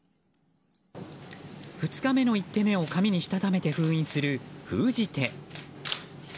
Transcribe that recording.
２日目の１手目を紙にしたためて封印する封じ手。